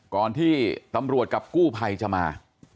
ก่อนที่ตำรวจกับกู้ภัยจะมา